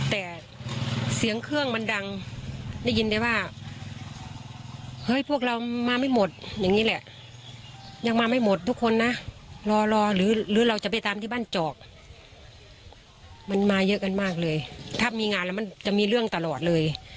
ทุกครั้งที่บ้านเจาะมันมาเยอะกันมากเลยถ้ามีงานมันจะมีเรื่องตลอดเลย